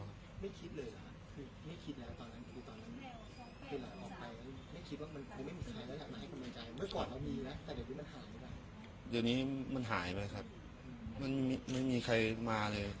เดี๋ยวนี้มันหายไปครับมันไม่มีใครมาเลย